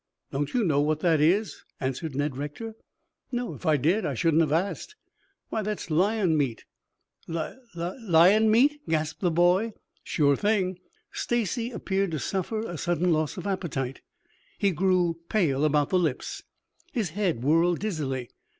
"Don't you know what that is?" answered Ned Rector. "No. If I did, I shouldn't have asked." "Why, that's lion meat." "Li li lion meat?" gasped the boy. "Sure thing." Stacy appeared to suffer a sudden loss of appetite. He grew pale about the lips, his head whirled dizzily.